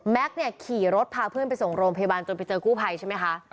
ขี่รถพาเพื่อนไปส่งโรงพยาบาลจนไปเจอกู้ภัยใช่ไหมคะ